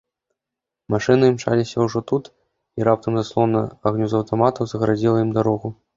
Машыны імчаліся ўжо тут, і раптам заслона агню з аўтаматаў загарадзіла ім дарогу.